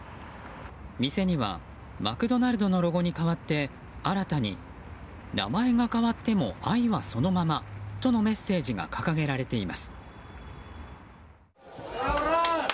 店にはマクドナルドのロゴに代わって新たに「名前が変わっても愛はそのまま」とのメッセージが掲げられています。